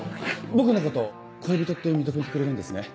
僕のこと恋人って認めてくれるんですね？